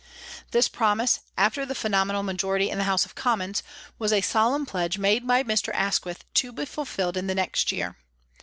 This promise, after the phenomenal majority in the House of Commons, was a solemn pledge made by Mr. Asquith to be fulfilled in the next year.